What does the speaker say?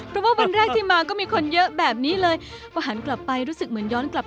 เพราะว่าวันแรกที่มาก็มีคนเยอะแบบนี้เลย